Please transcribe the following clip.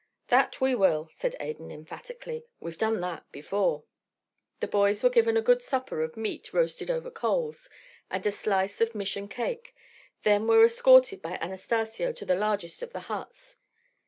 "That we will," said Adan, emphatically. "We've done that before." The boys were given a good supper of meat roasted over coals, and a slice of Mission cake, then were escorted by Anastacio to the largest of the huts.